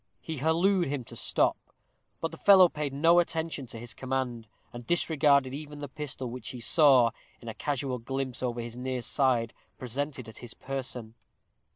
He hallooed to him to stop; but the fellow paid no attention to his command, and disregarded even the pistol which he saw, in a casual glimpse over his near side, presented at his person.